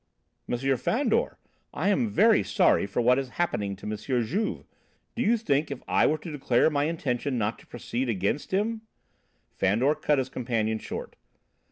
"M. Fandor, I am very sorry for what is happening to M. Juve. Do you think if I were to declare my intention not to proceed against him " Fandor cut his companion short.